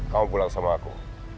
kamu pulang sama aku